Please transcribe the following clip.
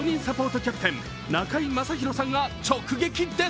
キャプテン中居正広さんが直撃です。